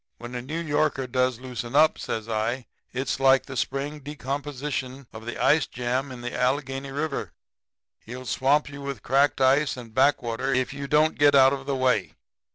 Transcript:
When a New Yorker does loosen up,' says I, 'it's like the spring decomposition of the ice jam in the Allegheny River. He'll swamp you with cracked ice and back water if you don't get out of the way.